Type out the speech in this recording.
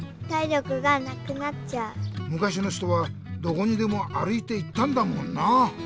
むかしのひとはどこにでもあるいていったんだもんな。